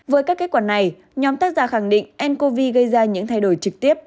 với các kết quả này nhóm tác giả khẳng định ncov gây ra những thay đổi trực tiếp